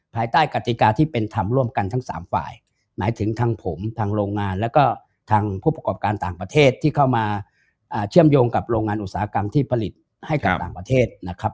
ภายใต้กติกาที่เป็นธรรมร่วมกันทั้งสามฝ่ายหมายถึงทางผมทางโรงงานแล้วก็ทางผู้ประกอบการต่างประเทศที่เข้ามาเชื่อมโยงกับโรงงานอุตสาหกรรมที่ผลิตให้กับต่างประเทศนะครับ